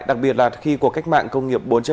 đặc biệt là khi cuộc cách mạng công nghiệp bốn